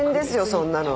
そんなの。